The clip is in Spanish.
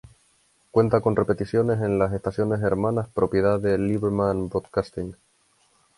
Cuenta con repeticiones en las estaciones hermanas propiedad de Liberman Broadcasting.